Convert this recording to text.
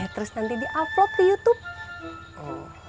terus nanti diavlog di youtube